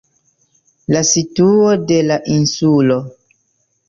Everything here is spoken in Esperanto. La situo de la insulo.